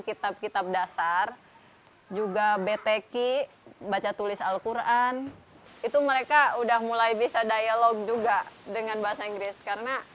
jadi baca tulis alquran itu mereka udah mulai bisa dialog juga dengan bahasa inggris karena